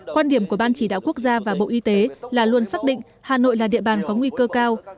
quan điểm của ban chỉ đạo quốc gia và bộ y tế là luôn xác định hà nội là địa bàn có nguy cơ cao